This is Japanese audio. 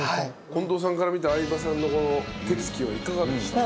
近藤さんから見て相葉さんの手つきはいかがでした？